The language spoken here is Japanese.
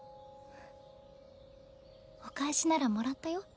お返しならもらったよ。